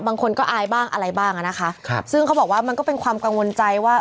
บางคนก็อายบ้างอะไรบ้างอ่ะนะคะครับซึ่งเขาบอกว่ามันก็เป็นความกังวลใจว่า